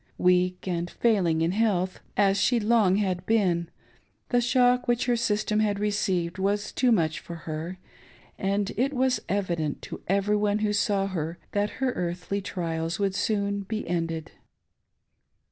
Weak and failing in health, as she long had been, the shock which her system had received was too much for her, and it was evident to every one who saw her that her earthly trials would soon be ended.